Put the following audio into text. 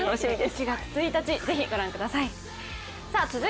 １月１日、ぜひご覧ください。